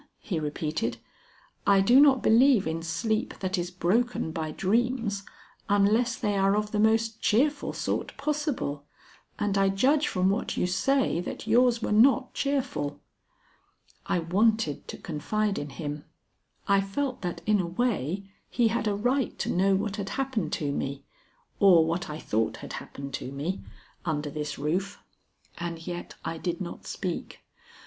he repeated. "I do not believe in sleep that is broken by dreams, unless they are of the most cheerful sort possible. And I judge from what you say that yours were not cheerful." I wanted to confide in him. I felt that in a way he had a right to know what had happened to me, or what I thought had happened to me, under this roof. And yet I did not speak.